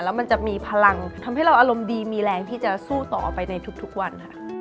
แล้วมันจะมีพลังทำให้เราอารมณ์ดีมีแรงที่จะสู้ต่อไปในทุกวันค่ะ